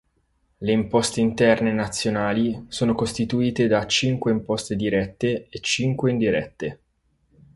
Le imposte interne nazionali sono costituite da cinque imposte dirette e cinque indirette.